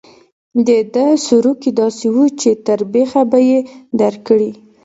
د ده سروکي داسې وو چې تر بېخه به یې درکړي.